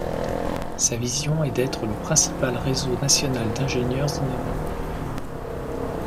Sa vision est d'être le principal réseau national d'ingénieurs innovants.